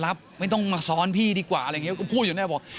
รับไม่ต้องมาซ้อนพี่ดีกว่าอะไรอย่างเงี้ยก็พูดอยู่นั่นแหละบอก